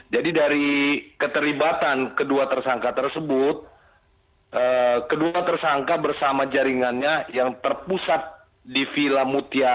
jadi dari keterlibatan kedua tersangka tersebut kedua tersangka bersama jaringannya yang terpusat di vila mutiara